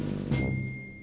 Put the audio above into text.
dia udah berangkat